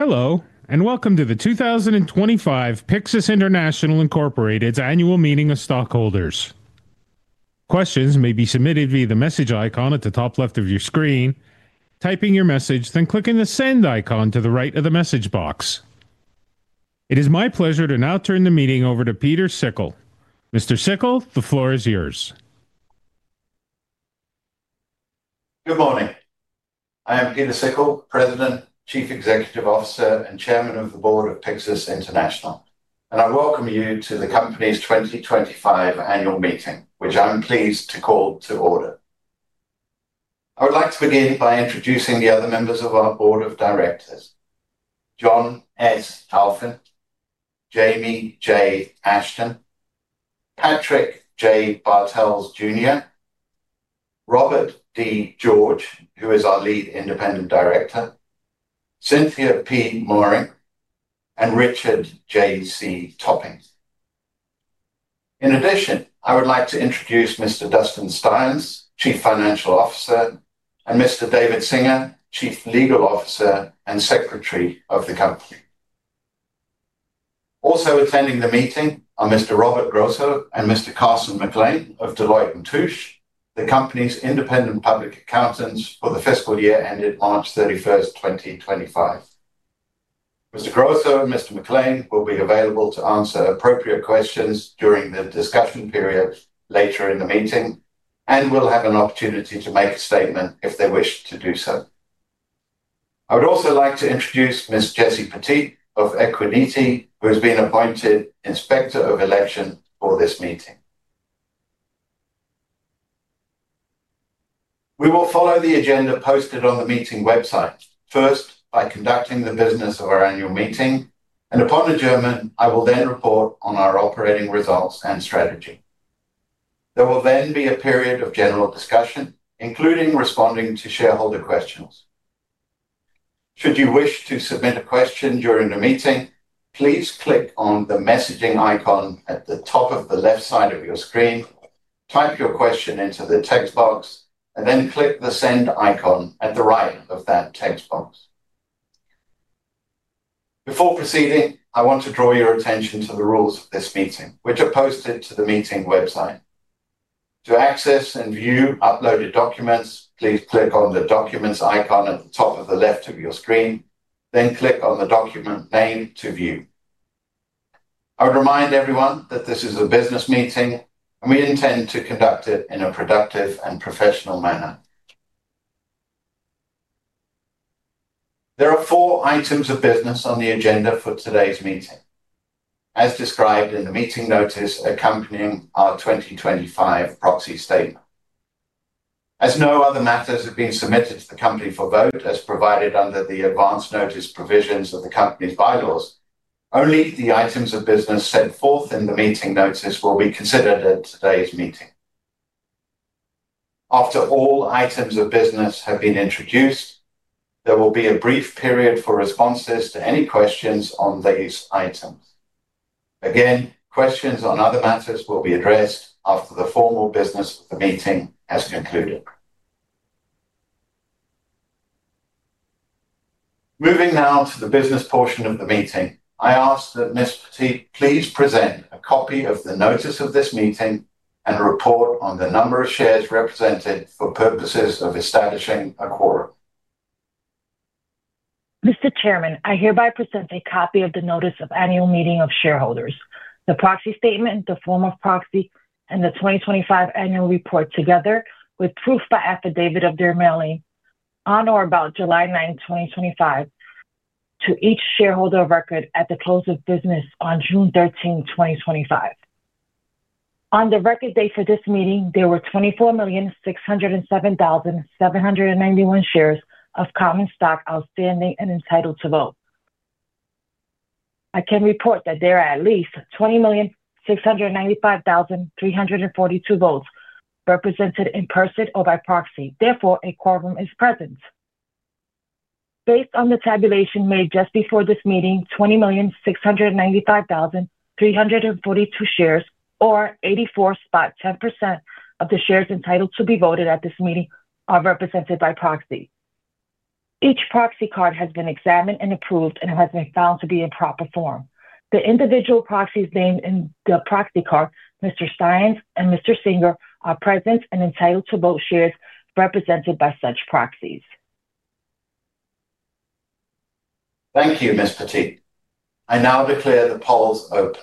Hello and welcome to the 2025 Pyxus International Incorporated annual meeting of stockholders. Questions may be submitted via the message icon at the top left of your screen. Type in your message, then click on the send icon to the right of the message box. It is my pleasure to now turn the meeting over to Pieter Sikkel. Mr. Sikkel, the floor is yours. Good morning. I am Pieter Sikkel, President, Chief Executive Officer, and Chairman of the Board of Pyxus International. I welcome you to the company's 2025 annual meeting, which I'm pleased to call to order. I would like to begin by introducing the other members of our board of directors: John S. Towson, Jamie J. Ashton, Patrick J. Bartel Jr., Robert D. George, who is our Lead Independent Director, Cynthia P. Murray, and Richard J. C. Topping. In addition, I would like to introduce Mr. Dustin L. Styons, Chief Financial Officer, and Mr. David Singer, Chief Legal Officer and Secretary of the company. Also attending the meeting are Mr. Robert Grosso and Mr. Carson McLean of Deloitte & Touche, the company's independent public accounting firm for the fiscal year ended March 31st, 2025. Mr. Grosso and Mr. McLean will be available to answer appropriate questions during the discussion period later in the meeting and will have an opportunity to make a statement if they wish to do so. I would also like to introduce Ms. Jessie Petit of Equiniti, who has been appointed Inspector of Election for this meeting. We will follow the agenda posted on the meeting website, first by conducting the business of our annual meeting, and upon adjournment, I will then report on our operating results and strategy. There will then be a period of general discussion, including responding to shareholder questions. Should you wish to submit a question during the meeting, please click on the messaging icon at the top of the left side of your screen, type your question into the text box, and then click the send icon at the right of that text box. Before proceeding, I want to draw your attention to the rules of this meeting, which are posted to the meeting website. To access and view uploaded documents, please click on the documents icon at the top of the left of your screen, then click on the document name to view. I would remind everyone that this is a business meeting, and we intend to conduct it in a productive and professional manner. There are four items of business on the agenda for today's meeting, as described in the meeting notice accompanying our 2025 proxy statement. As no other matters have been submitted to the company for vote, as provided under the advance notice provisions of the company's bylaws, only the items of business set forth in the meeting notice will be considered at today's meeting. After all items of business have been introduced, there will be a brief period for responses to any questions on these items. Again, questions on other matters will be addressed after the formal business of the meeting has concluded. Moving now to the business portion of the meeting, I ask that Ms. Petit please present a copy of the notice of this meeting and a report on the number of shares represented for purposes of establishing. Mr. Chairman, I hereby present a copy of the notice of annual meeting of shareholders, the proxy statement, the form of proxy, and the 2025 annual report together with proof by affidavit of their mailing on or about July 9, 2025, to each shareholder of record at the close of business on June 13, 2025. On the record date for this meeting, there were 24,607,791 shares of common stock outstanding and entitled to vote. I can report that there are at least 20,695,342 votes represented in person or by proxy. Therefore, a quorum is present. Based on the tabulation made just before this meeting, 20,695,342 shares, or 84.10% of the shares entitled to be voted at this meeting, are represented by proxy. Each proxy card has been examined and approved and has been found to be in proper form. The individual proxies named in the proxy card, Mr. Styons and Mr. Singer, are present and entitled to vote shares represented by such proxies. Thank you, Ms. Petit. I now declare the polls open.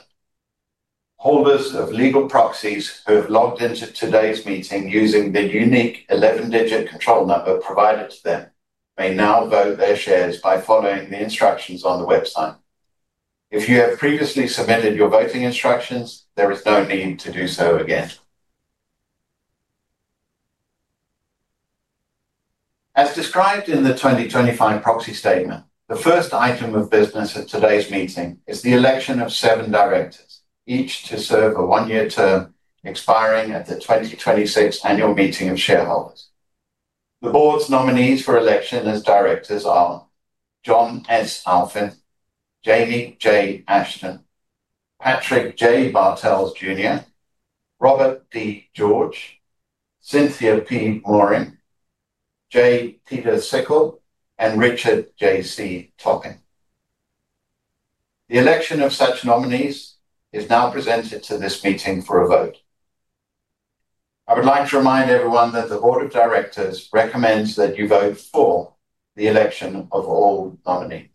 Holders of legal proxies who have logged into today's meeting using the unique 11-digit control number provided to them may now vote their shares by following the instructions on the website. If you have previously submitted your voting instructions, there is no need to do so again. As described in the 2025 proxy statement, the first item of business at today's meeting is the election of seven directors, each to serve a one-year term expiring at the 2026 annual meeting of shareholders. The board's nominees for election as directors are John S. Towson, Jamie J. Ashton, Patrick J. Bartel Jr., Robert D. George, Cynthia P. Murray, J. Pieter Sikkel, and Richard J. C. Topping. The election of such nominees is now presented to this meeting for a vote. I would like to remind everyone that the board of directors recommends that you vote for the election of all nominees.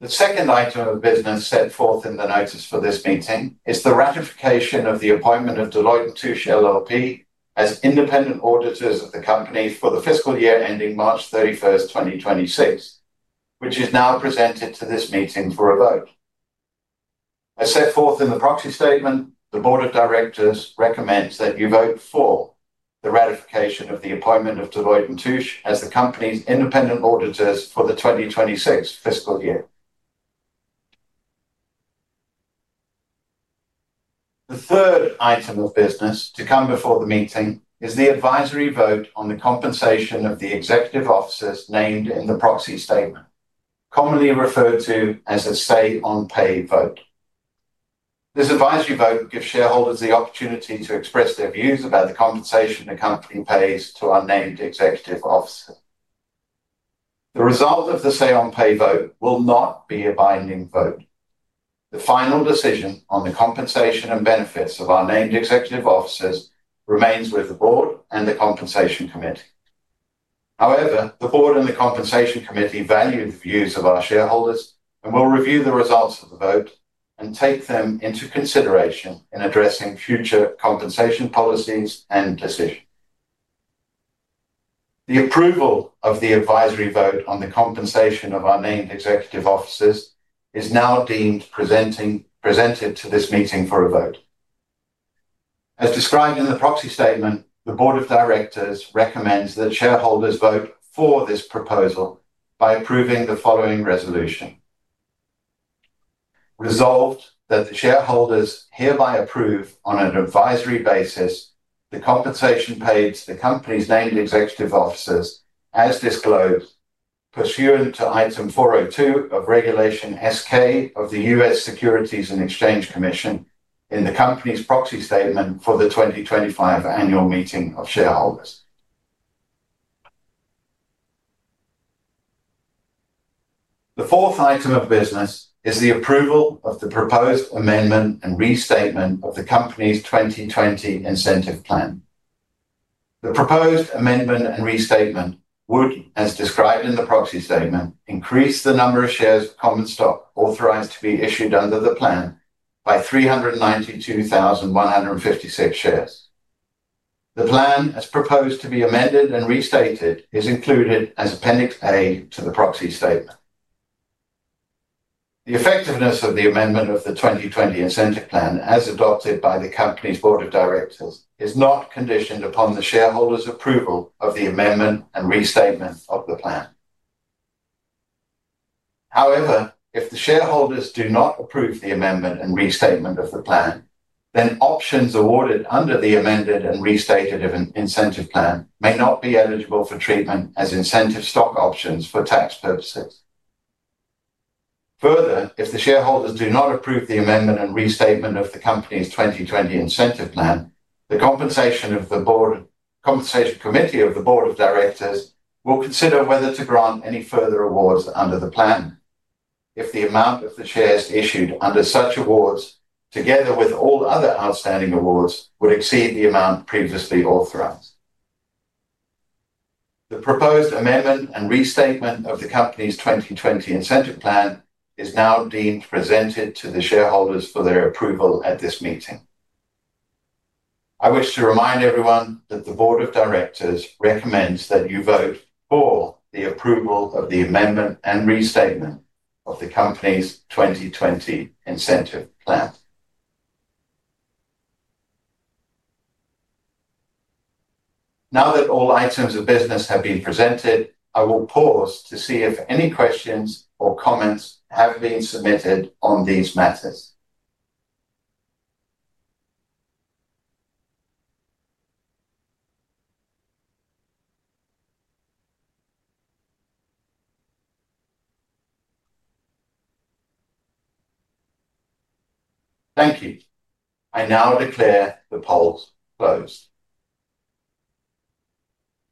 The second item of business set forth in the notice for this meeting is the ratification of the appointment of Deloitte & Touche LLP as independent auditors of the company for the fiscal year ending March 31, 2026, which is now presented to this meeting for a vote. As set forth in the proxy statement, the board of directors recommends that you vote for the ratification of the appointment of Deloitte & Touche as the company's independent auditors for the 2026 fiscal year. The third item of business to come before the meeting is the advisory vote on the compensation of the executive officers named in the proxy statement, commonly referred to as a say-on-pay vote. This advisory vote gives shareholders the opportunity to express their views about the compensation the company pays to our named executive officers. The result of the say-on-pay vote will not be a binding vote. The final decision on the compensation and benefits of our named executive officers remains with the board and the compensation committee. However, the board and the compensation committee value the views of our shareholders and will review the results of the vote and take them into consideration in addressing future compensation policies and decisions. The approval of the advisory vote on the compensation of our named executive officers is now deemed presented to this meeting for a vote. As described in the proxy statement, the board of directors recommends that shareholders vote for this proposal by approving the following resolution. Resolved that the shareholders hereby approve on an advisory basis the compensation paid to the company's named executive officers, as disclosed, pursuant to Item 402 of Regulation S-K of the U.S. Securities and Exchange Commission in the company's proxy statement for the 2025 annual meeting of shareholders. The fourth item of business is the approval of the proposed amendment and restatement of the company's 2020 incentive plan. The proposed amendment and restatement would, as described in the proxy statement, increase the number of shares of common stock authorized to be issued under the plan by 392,156 shares. The plan, as proposed to be amended and restated, is included as Appendix A to the proxy statement. The effectiveness of the amendment of the 2020 incentive plan, as adopted by the company's board of directors, is not conditioned upon the shareholders' approval of the amendment and restatement of the plan. However, if the shareholders do not approve the amendment and restatement of the plan, then options awarded under the amended and restated incentive plan may not be eligible for treatment as incentive stock options for tax purposes. Further, if the shareholders do not approve the amendment and restatement of the company's 2020 incentive plan, the compensation of the board, compensation committee of the board of directors will consider whether to grant any further awards under the plan if the amount of the shares issued under such awards, together with all other outstanding awards, would exceed the amount previously authorized. The proposed amendment and restatement of the company's 2020 incentive plan is now deemed presented to the shareholders for their approval at this meeting. I wish to remind everyone that the board of directors recommends that you vote for the approval of the amendment and restatement of the company's 2020 incentive plan. Now that all items of business have been presented, I will pause to see if any questions or comments have been submitted on these matters. Thank you. I now declare the polls closed.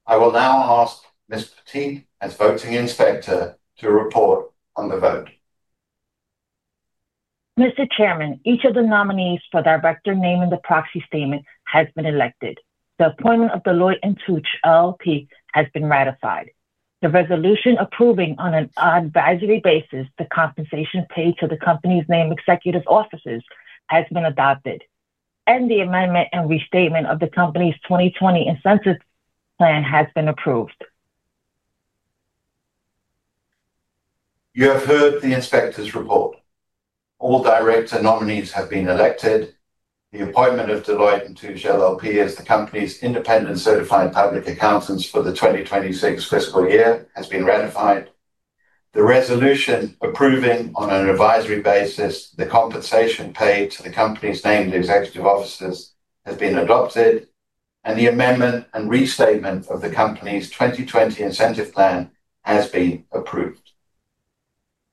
I will now ask Ms. Petit, as voting inspector, to report on the vote. Mr. Chairman, each of the nominees for director named in the proxy statement has been elected. The appointment of Deloitte & Touche LLP has been ratified. The resolution approving on an advisory basis the compensation paid to the company's named executive officers has been adopted. The amendment and restatement of the company's 2020 incentive plan has been approved. You have heard the inspector's report. All director nominees have been elected. The appointment of Deloitte & Touche LLP as the company's independent certified public accountants for the 2026 fiscal year has been ratified. The resolution approving on an advisory basis the compensation paid to the company's named executive officers has been adopted. The amendment and restatement of the company's 2020 incentive plan has been approved.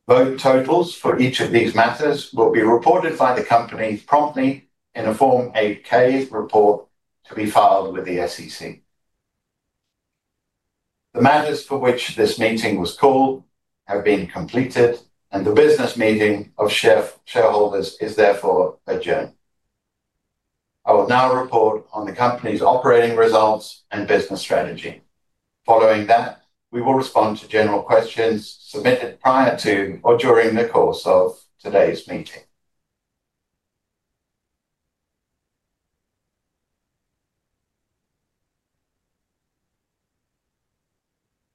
Vote totals for each of these matters will be reported by the company promptly in a Form 8-K report to be filed with the SEC. The matters for which this meeting was called have been completed, and the business meeting of shareholders is therefore adjourned. I will now report on the company's operating results and business strategy. Following that, we will respond to general questions submitted prior to or during the course of today's meeting.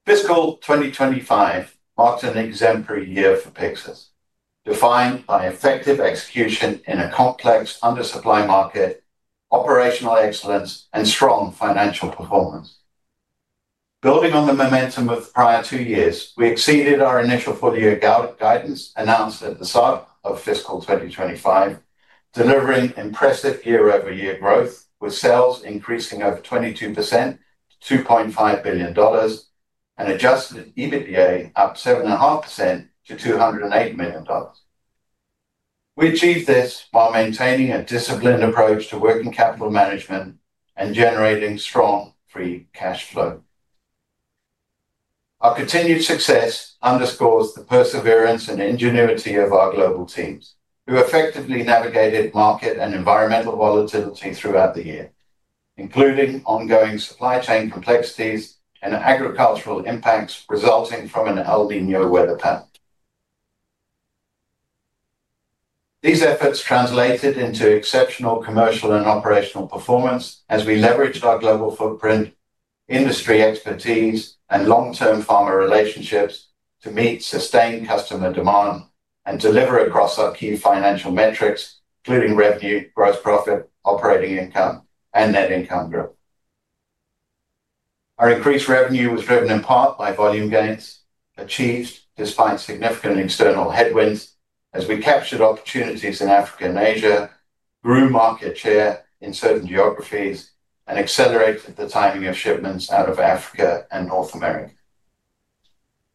Fiscal 2025 marks an exemplary year for Pyxus, defined by effective execution in a complex undersupply market, operational excellence, and strong financial performance. Building on the momentum of the prior two years, we exceeded our initial full-year guidance announced at the start of fiscal 2025, delivering impressive year-over-year growth with sales increasing over 22% to $2.5 billion and adjusted EBITDA up 7.5% to $208 million. We achieved this while maintaining a disciplined approach to working capital management and generating strong free cash flow. Our continued success underscores the perseverance and ingenuity of our global team, who effectively navigated market and environmental volatility throughout the year, including ongoing supply chain complexities and agricultural impacts resulting from an El Niño weather pattern. These efforts translated into exceptional commercial and operational performance as we leveraged our global footprint, industry expertise, and long-term farmer relationships to meet sustained customer demand and deliver across our key financial metrics, including revenue, gross profit, operating income, and net income growth. Our increased revenue was driven in part by volume gains achieved despite significant external headwinds, as we captured opportunities in Africa and Asia, grew market share in certain geographies, and accelerated the timing of shipments out of Africa and North America.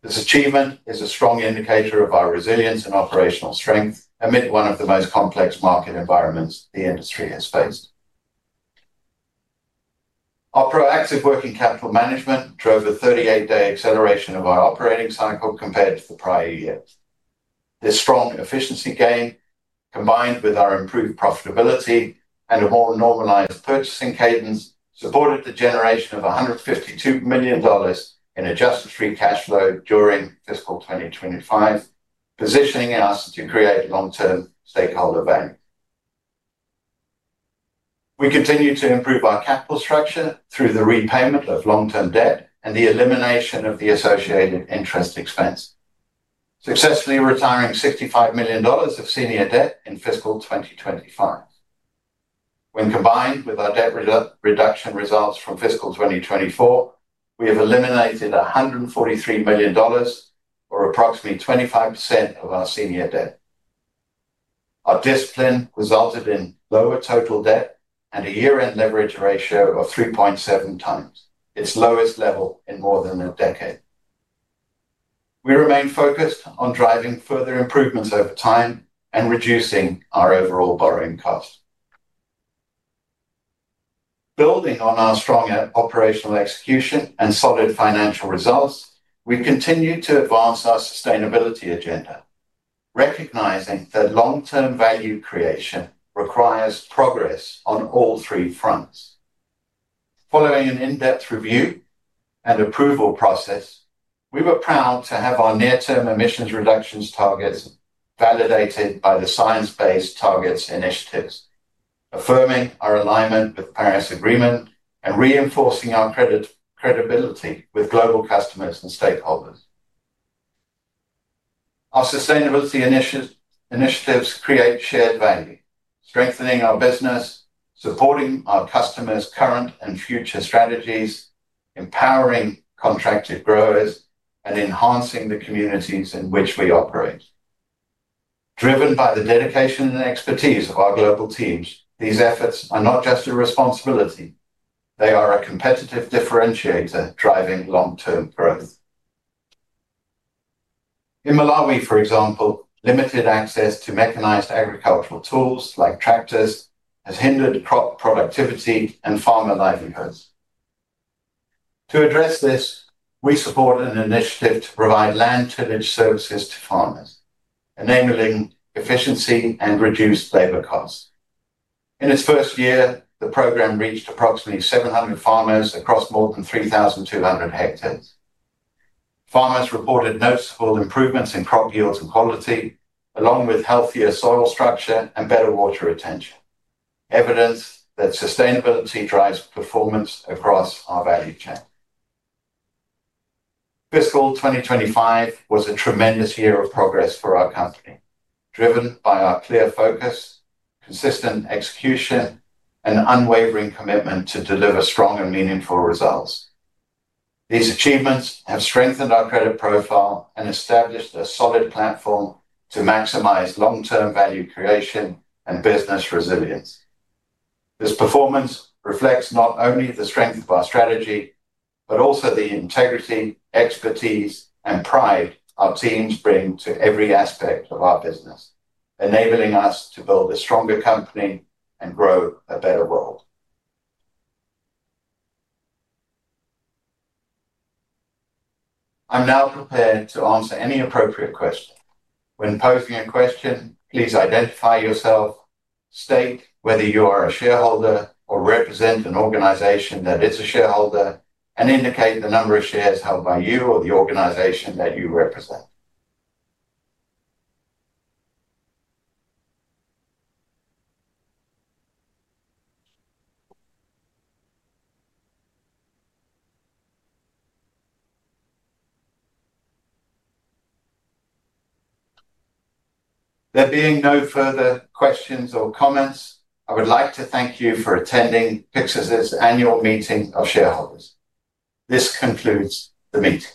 This achievement is a strong indicator of our resilience and operational strength amid one of the most complex market environments the industry has faced. Our proactive work in capital management drove a 38-day acceleration of our operating cycle compared to the prior year. This strong efficiency gain, combined with our improved profitability and a more normalized purchasing cadence, supported the generation of $152 million in adjusted free cash flow during fiscal 2025, positioning us to create long-term stakeholder value. We continue to improve our capital structure through the repayment of long-term debt and the elimination of the associated interest expense, successfully retiring $65 million of senior debt in fiscal 2025. When combined with our debt reduction results from fiscal 2024, we have eliminated $143 million, or approximately 25% of our senior debt. Our discipline resulted in lower total debt and a year-end leverage ratio of 3.7 times, its lowest level in more than a decade. We remain focused on driving further improvements over time and reducing our overall borrowing costs. Building on our strong operational execution and solid financial results, we continue to advance our sustainability agenda, recognizing that long-term value creation requires progress on all three fronts. Following an in-depth review and approval process, we were proud to have our near-term emissions reduction targets validated by the Science Based Targets initiative, affirming our alignment with the Paris Agreement and reinforcing our credibility with global customers and stakeholders. Our sustainability initiatives create shared value, strengthening our business, supporting our customers' current and future strategies, empowering contracted growers, and enhancing the communities in which we operate. Driven by the dedication and expertise of our global teams, these efforts are not just a responsibility; they are a competitive differentiator driving long-term growth. In Malawi, for example, limited access to mechanized agricultural tools like tractors has hindered crop productivity and farmer livelihoods. To address this, we supported an initiative to provide land tillage services to farmers, enabling efficiency and reduced labor costs. In its first year, the program reached approximately 700 farmers across more than 3,200 hectares. Farmers reported noticeable improvements in crop yields and quality, along with healthier soil structure and better water retention, evidence that sustainability drives performance across our value chain. Fiscal 2025 was a tremendous year of progress for our company, driven by our clear focus, consistent execution, and unwavering commitment to deliver strong and meaningful results. These achievements have strengthened our credit profile and established a solid platform to maximize long-term value creation and business resilience. This performance reflects not only the strength of our strategy, but also the integrity, expertise, and pride our teams bring to every aspect of our business, enabling us to build a stronger company and grow a better world. I'm now prepared to answer any appropriate question. When posing a question, please identify yourself, state whether you are a shareholder or represent an organization that is a shareholder, and indicate the number of shares held by you or the organization that you represent. There being no further questions or comments, I would like to thank you for attending Pyxus' annual meeting of shareholders. This concludes the meeting.